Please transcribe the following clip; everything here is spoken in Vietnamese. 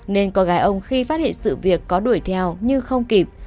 nên con gái ông khi phát hiện sự việc có đuổi theo nhưng không kịp